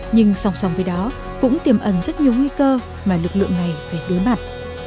nhưng sòng sòng với đó cũng tiềm ẩn rất nhiều nguy cơ mà lực lượng này phải đối mặt